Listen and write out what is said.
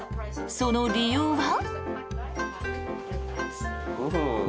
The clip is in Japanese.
その理由は。